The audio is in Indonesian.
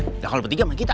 nah kalau bertiga mah kita